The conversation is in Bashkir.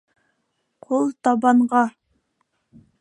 - Ҡултабанға.